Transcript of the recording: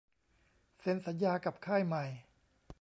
เซ็นสัญญากับค่ายใหม่